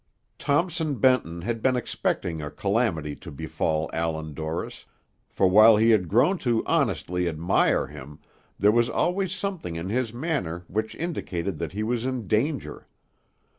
Thompson Benton had been expecting a calamity to befall Allan Dorris; for, while he had grown to honestly admire him, there was always something in his manner which indicated that he was in danger.